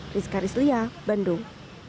rizka risliah bandung